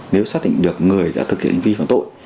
nếu xác định được người đã thực hiện hành vi phạm tội